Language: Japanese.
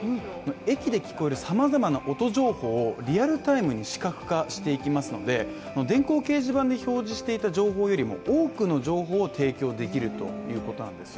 駅で聞こえる様々な音情報をリアルタイムに視覚化していきますので、この電光掲示板で表示していた情報よりも多くの情報を提供できるということなんです